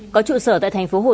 có trụ sở tại phường tam thành